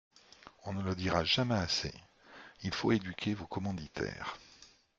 On ne le dira jamais assez: il faut éduquer vos commanditaires.